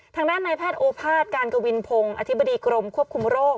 ทางด้านในแพทย์โอภาษย์การกวินพงศ์อธิบดีกรมควบคุมโรค